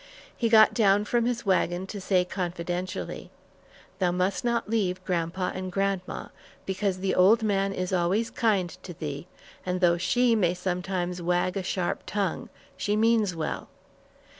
He got down from his wagon to say confidentially: "Thou must not leave grandpa and grandma, because the old man is always kind to thee, and though she may sometimes wag a sharp tongue, she means well.